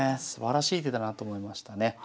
すばらしい手だなと思いましたね。